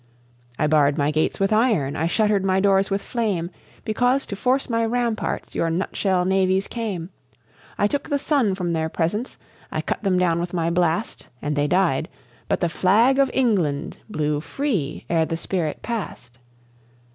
"I barred my gates with iron, I shuttered my doors with flame, Because to force my ramparts your nutshell navies came; I took the sun from their presence, I cut them down with my blast, And they died, but the Flag of England blew free ere the spirit passed.